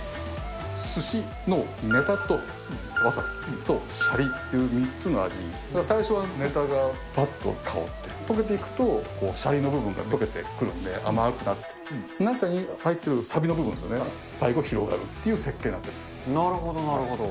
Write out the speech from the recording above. すしのねたとわさびとしゃりっていう３つの味が、最初はねたがぱっと香って溶けていくとしゃりの部分が溶けてくるので、甘くなって、中に入ってるさびの部分ですかね、最後、広がるっていう設計になっなるほど、なるほど。